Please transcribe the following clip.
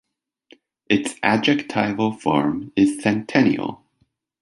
Its adjectival form is centennial.